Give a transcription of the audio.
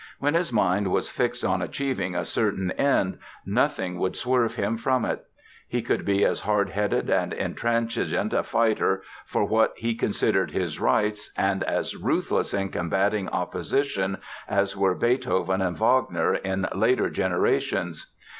When his mind was fixed on achieving a certain end nothing would swerve him from it. He could be as hardheaded and intransigent a fighter for what he considered his rights and as ruthless in combating opposition as were Beethoven and Wagner in later generations.